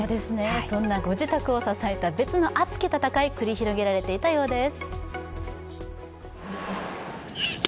そんなご自宅を支えた別の熱き戦いが繰り広げられていたようです。